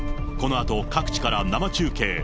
このあと、各地から生中継。